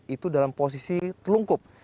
itu dalam posisi telungkup